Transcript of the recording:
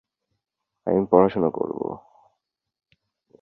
আপার Thames rowing ক্লাবের মতে, Oxford এক লেন্থ-এর চেয়েও বেশি দুরত্বে এগিয়ে ছিল।